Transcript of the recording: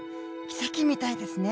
奇跡みたいですね。